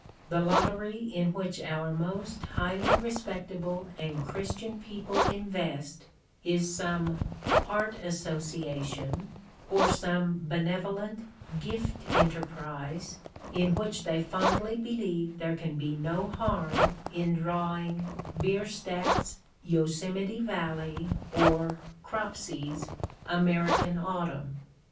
The lottery in which our most highly respectable and Christian people invest is some "Art Association," or some benevolent "Gift Enterprise," in which they fondly believe there can be no harm in drawing Bierstadt's Yosemite Valley, or Cropsey's American Autumn!